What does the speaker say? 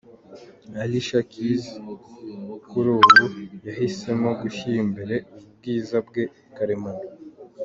Alicia Keys kuri ubu yahisemo gushyira imbere ubwiza bwe karemano.